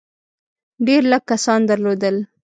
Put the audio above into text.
ډېر لږ کسان درلودل.